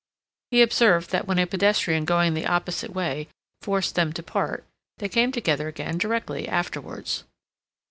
He observed that when a pedestrian going the opposite way forced them to part they came together again directly afterwards.